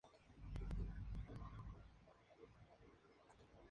Al ser construcciones de adobe, predominan los llenos sobre los vanos.